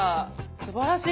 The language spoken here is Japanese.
すばらしい！